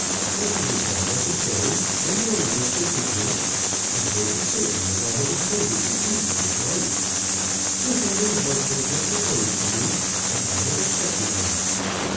If it is unnecessary, I know you will forgive me, and will be certain that I have intended to do what is right. Sir Henry Harcourt has proposed to me, and I have accepted him.